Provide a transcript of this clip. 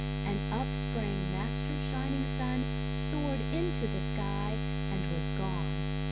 And up sprang Master Shining Sun, soared into the sky, and was gone.